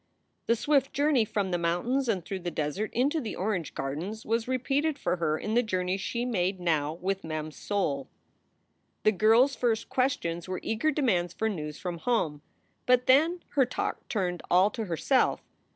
The swift journey from the mountains and through the desert into the orange gardens was repeated for her in the journey she made now with Mem s soul. 204 SOULS FOR SALE The girl s first questions were eager demands for news from home; but then her talk turned all to herself.